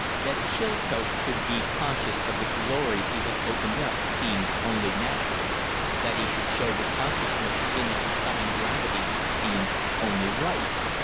That Chilcote should be conscious of the glories he had opened up seemed only natural; that he should show that consciousness in a becoming gravity seemed only right.